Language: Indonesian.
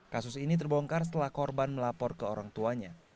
kasus ini terbongkar setelah korban melapor ke orang tuanya